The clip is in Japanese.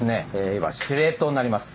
いわば司令塔になります。